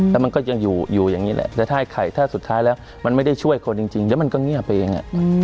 แล้วมันก็ยังอยู่อย่างนี้แหละแต่ถ้าไอ้ไข่ถ้าสุดท้ายแล้วมันไม่ได้ช่วยคนจริงแล้วมันก็เงียบไปเอง